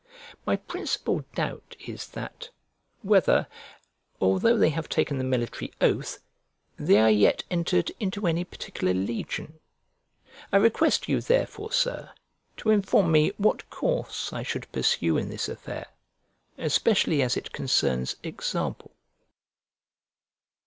My principal doubt is that, whether, although they have taken the military oath, they are yet entered into any particular legion. I request you therefore, Sir, to inform me what course I should pursue in this affair, especially as it concerns example.